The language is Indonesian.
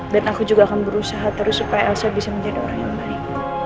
dan aku juga akan berusaha terus supaya elsa bisa menjadi orang yang baik